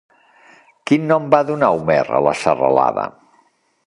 Quin nom va donar Homer a la serralada?